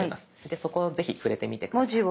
でそこをぜひ触れてみて下さい。